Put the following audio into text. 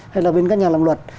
hay là bên các nhà làm luật